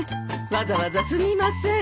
わざわざすみません。